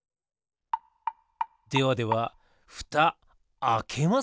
ではではふたあけますよ。